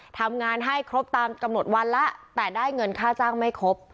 ทำงานให้ครบตามกำหนดวันแล้วแต่ได้เงินค่าจ้างไม่ครบ